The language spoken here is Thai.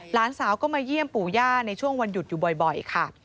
หลานสาวก็มาเยี่ยมปู่ย่าในช่วงวันหยุดอยู่บ่อยค่ะ